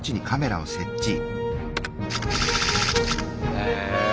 へえ。